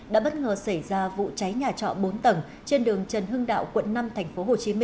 đã bất ngờ xảy ra vụ cháy nhà trọ bốn tầng trên đường trần hưng đạo quận năm tp hcm